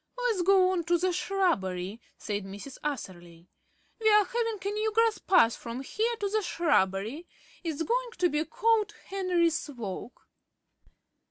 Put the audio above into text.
"Let's go on to the shrubbery," said Mrs. Atherley. "We are having a new grass path from here to the shrubbery. It's going to be called Henry's Walk."